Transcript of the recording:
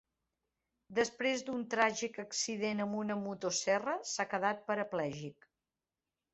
Després d'un tràgic accident amb una motoserra s'ha quedat paraplègic.